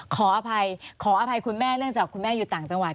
ขออภัยขออภัยคุณแม่เนื่องจากคุณแม่อยู่ต่างจังหวัด